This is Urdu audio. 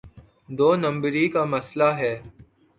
دو نمبری کا مسئلہ ہے۔